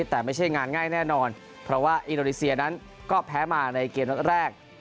แต่ไม่ใช่งานง่ายแน่นอนเพราะว่าอินโดนีเซียนั้นก็แพ้มาในเกมนัดแรก